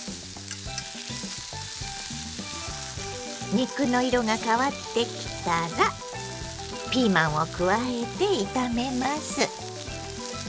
肉の色が変わってきたらピーマンを加えて炒めます。